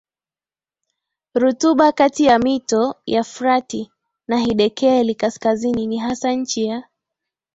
rutuba kati ya mito ya Frati na Hidekeli Kaskazini ni hasa nchi ya